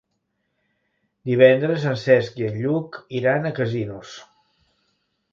Divendres en Cesc i en Lluc iran a Casinos.